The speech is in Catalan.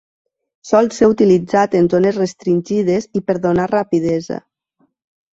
Sol ser utilitzat en zones restringides i per donar rapidesa.